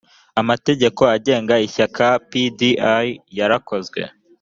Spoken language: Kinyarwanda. amategeko agenga ishyaka pdi yarakozwe